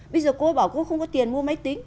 bây giờ cô bảo cô không có tiền mua máy tính